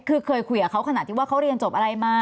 คือเคยคุยกับเขาขนาดที่ว่าเขาเรียนจบอะไรมา